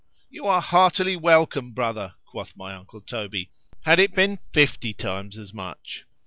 —You are heartily welcome, brother, quoth my uncle Toby,——had it been fifty times as much.